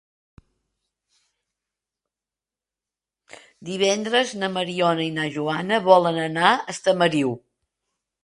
Divendres na Mariona i na Joana volen anar a Estamariu.